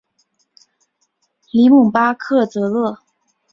里姆巴克泽勒。